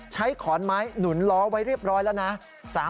ขอนไม้หนุนล้อไว้เรียบร้อยแล้วนะ